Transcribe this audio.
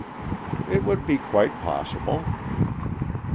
"It would be quite possible."